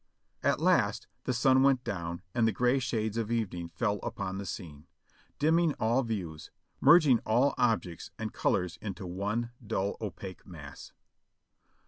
At last the sun went down and the gray shades of evening fell upon the scene, dimming all views, merging all objects and colors into one dull, opaque mass.